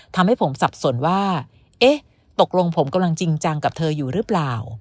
ทำให้ผมสับสนว่าเอ๊ะตกลงผมกำลังจริงจังกับเธออยู่หรือเปล่า